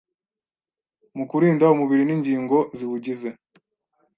mu kurinda umubiri n’ingingo ziwugize,